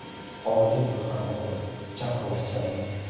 Hovlida gulxan yoqildi, chanqovuz chalindi.